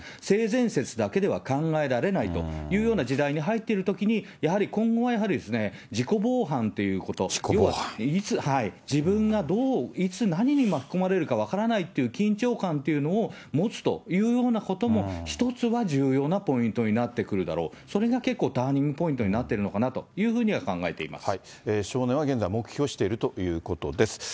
性善説だけでは考えられないというような時代に入っているときに、やはり、今後はやはり、事故防犯ということ、いつ、自分がどう、いつ、何に巻き込まれるか分からないという緊張感というものを持つというようなことも、一つは重要なポイントになってくるだろう、それが結構、ターニングポイントになっているのかなというふうには考えており少年は現在、黙秘をしているということです。